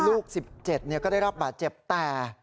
ลูก๑๗ก็ได้รับบาดเจ็บแต่